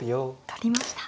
取りました。